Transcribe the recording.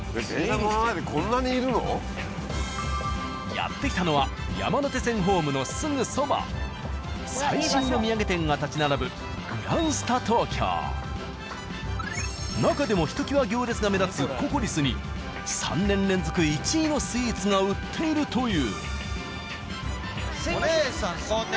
やって来たのは最新の土産店が立ち並ぶなかでもひときわ行列が目立つ「ＣＯＣＯＲＩＳ」に３年連続１位のスイーツが売っているという。